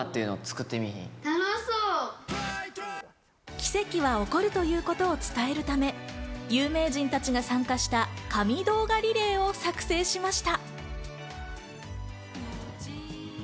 奇跡は起こるということを伝えるため有名人たちが参加した神動画リレーを作成しました。